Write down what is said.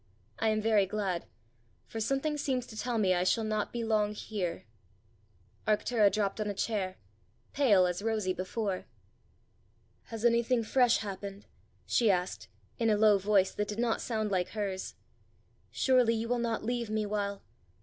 I am very glad, for something seems to tell me I shall not be long here." Arctura dropped on a chair pale as rosy before. "Has anything fresh happened?" she asked, in a low voice that did not sound like hers. "Surely you will not leave me while